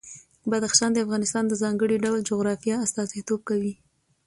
بدخشان د افغانستان د ځانګړي ډول جغرافیه استازیتوب کوي.